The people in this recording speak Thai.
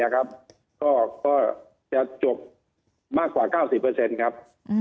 ก็จะจบมากกว่า๙๐ครับ